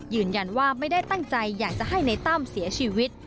ยืนยันว่าไม่ได้ตั้งใจอยากจะให้ในตั้มเสียชีวิต